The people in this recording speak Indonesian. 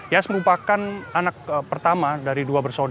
yas merupakan anak pertama dari dua bersaudara